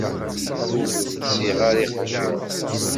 Ur lsiɣ ara iqaciren.